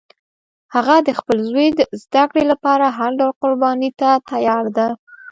هغه د خپل زوی د زده کړې لپاره هر ډول قربانی ته تیار ده